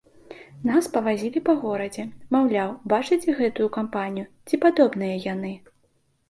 Нас павазілі па горадзе, маўляў, бачыце гэтую кампанію, ці падобныя яны?